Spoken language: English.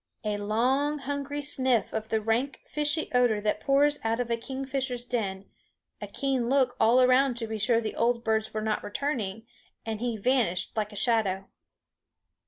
A long hungry sniff of the rank fishy odor that pours out of a kingfisher's den, a keen look all around to be sure the old birds were not returning, and he vanished like a shadow.